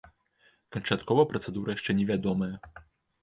Канчаткова працэдура яшчэ не вядомая.